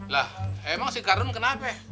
lah emang si kardun kenapa